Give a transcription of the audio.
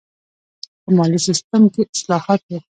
په مالي سیستم کې اصلاحات و.